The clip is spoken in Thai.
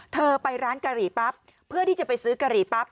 เธอไปร้านกะหรี่ปั๊บเพื่อที่จะไปซื้อกะหรี่ปั๊บ